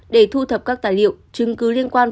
để thu thập các tài liệu chứng cứ liên quan